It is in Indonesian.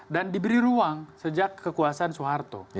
dan diberi ruang sejak kekuasaan soeharto